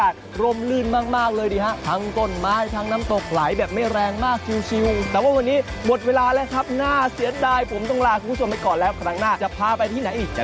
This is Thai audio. สวยมากเลยทีเดียวตรงนี้